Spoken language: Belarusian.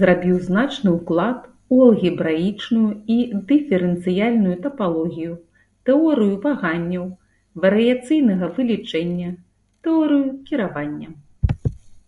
Зрабіў значны ўклад у алгебраічную і дыферэнцыяльную тапалогію, тэорыю ваганняў, варыяцыйнага вылічэння, тэорыю кіравання.